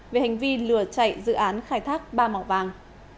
về hành vi lừa chạy dự án khai thác ba màu vàng